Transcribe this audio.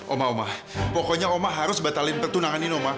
oma oma pokoknya oma harus batalin petunangan ini oma